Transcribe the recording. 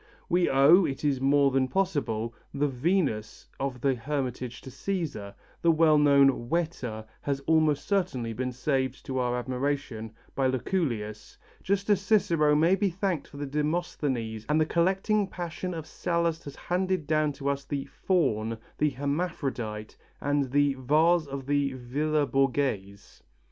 "We owe, it is more than possible, the Venus of the Hermitage to Cæsar; the well known 'Whetter' has almost certainly been saved to our admiration by Lucullus, just as Cicero may be thanked for the 'Demosthenes' and the collecting passion of Sallust has handed down to us the 'Faun,' the 'Hermaphrodite' and the 'Vase' of the Villa Borghese."